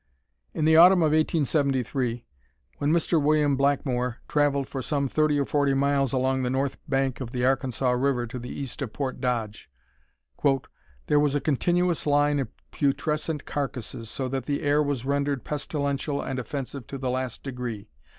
In the autumn of 1873, when Mr. William Blackmore traveled for some 30 or 40 miles along the north bank of the Arkansas River to the east of Port Dodge, "there was a continuous line of putrescent carcasses, so that the air was rendered pestilential and offensive to the last degree.